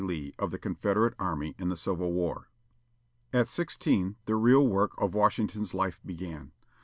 Lee of the Confederate Army, in the Civil War. At sixteen, the real work of Washington's life began.